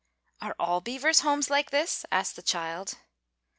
"Are all beavers' homes like this?" asked the child.